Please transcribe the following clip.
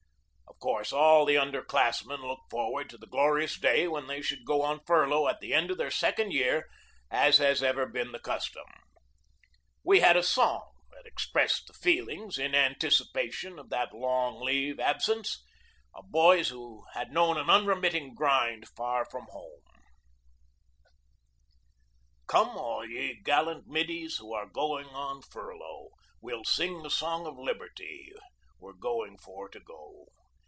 Of course, all the under class men looked forward to the glorious day when they should go on furlough at the end of their second year, as has ever been the custom. We had a song that expressed the feel ings, in anticipation of that long leave absence, of boys who had known an unremitting grind far from home: ''Come all ye gallant middies Who are going on furlough; We'll sing the song of liberty; We're going for to go.